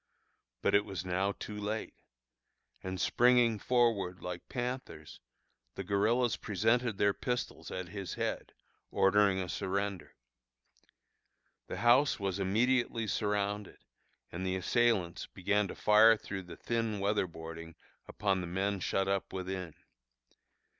But it was now too late; and springing forward like panthers, the guerillas presented their pistols at his head, ordering a surrender. The house was immediately surrounded and the assailants began to fire through the thin weather boarding upon the men shut up within.